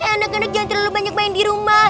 anak anak jangan terlalu banyak main di rumah